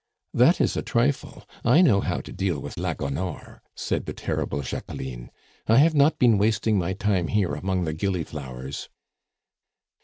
"That is a trifle; I know how to deal with la Gonore," said the terrible Jacqueline. "I have not been wasting my time here among the gilliflowers."